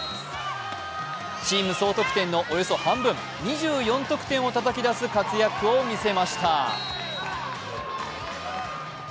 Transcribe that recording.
チーム総得点のおよそ半分、２４得点をたたき出す活躍を見せました。